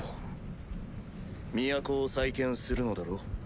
都を再建するのだろう？